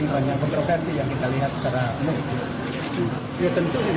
berita terkini mengenai penyelamatkan wasit di borneo fc